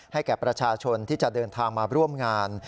แก่ประชาชนที่จะเดินทางมาร่วมงาน